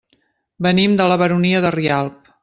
Venim de la Baronia de Rialb.